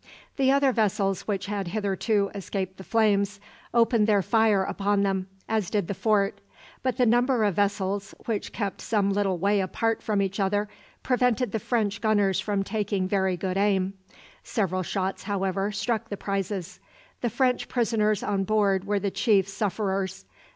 The other vessels which had hitherto escaped the flames, opened their fire upon them, as did the fort; but the number of vessels, which kept some little way apart from each other, prevented the French gunners from taking very good aim. Several shots, however, struck the prizes. The French prisoners on board were the chief sufferers.